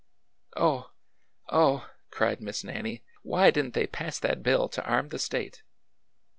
"Oh! oh!'' cried Miss Nannie. ''Why didn't they pass that bill to arm the State